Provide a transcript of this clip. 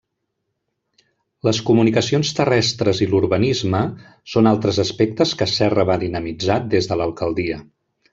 Les comunicacions terrestres i l’urbanisme són altres aspectes que Serra va dinamitzar des de l’alcaldia.